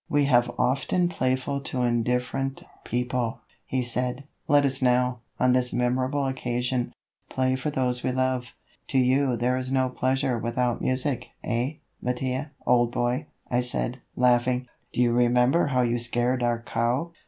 "We have often playful to indifferent people," he said; "let us now, on this memorable occasion, play for those we love?" "To you there is no pleasure without music, eh, Mattia, old boy," I said, laughing; "do you remember how you scared our cow?"